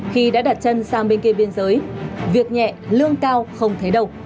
khi đã đặt chân sang bên kia biên giới việc nhẹ lương cao không thấy đâu